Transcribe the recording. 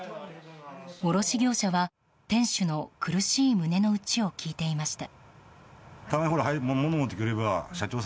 卸業者は、店主の苦しい胸の内を聞いていました。